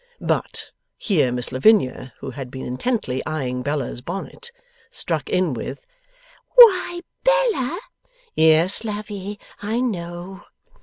But, here Miss Lavinia, who had been intently eyeing Bella's bonnet, struck in with 'Why, Bella!' 'Yes, Lavvy, I know.